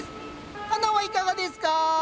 花はいかがですか？